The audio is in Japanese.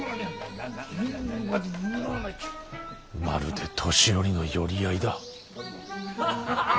まるで年寄りの寄り合いだ。